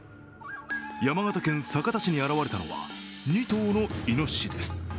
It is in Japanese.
山形県酒田市に現れたのは２頭のいのししです。